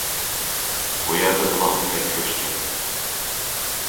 بۇ يەردە بۇلاقمۇ بەك كۆپ ئىكەن.